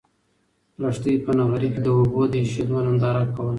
لښتې په نغري کې د اوبو د اېشېدو ننداره کوله.